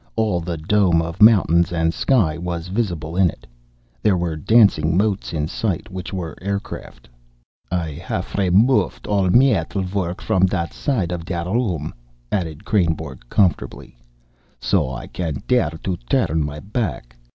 All the dome of mountains and sky was visible in it. There were dancing motes in sight, which were aircraft. "I haff remofed all metal work from that side of der room," added Kreynborg comfortably, "so I can dare to turn my back.